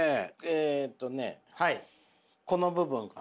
えっとねこの部分かな。